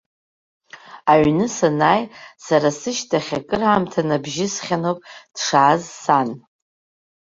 Аҩны санааи, сара сышьҭахь акыраамҭа набжьысхьаноуп дшааз сан.